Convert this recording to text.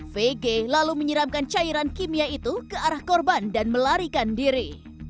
vg lalu menyiramkan cairan kimia itu ke arah korban dan melarikan diri